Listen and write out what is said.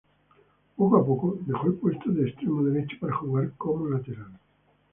Poco a poco dejó el puesto de extremo derecho para jugar como lateral.